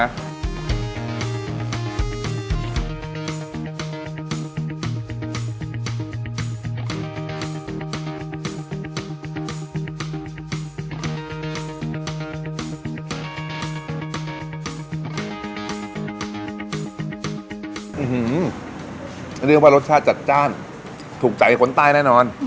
เรียกว่ารสชาติจัดจ้านถูกใจคนใต้แน่นอน